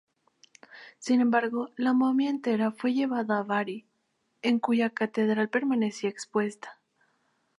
Sin embargo, la momia entera fue llevada a Bari, en cuya Catedral permanece expuesta.